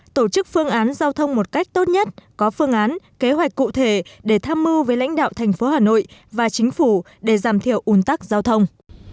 tổ chức phương án giao thông một cách tốt nhất có phương án kế hoạch cụ thể để tham mưu với lãnh đạo thành phố hà nội và chính phủ để giảm thiểu un tắc giao thông